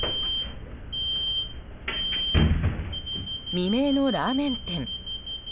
未明のラーメン店。